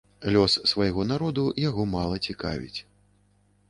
Лёс свайго народу яго мала цікавіць.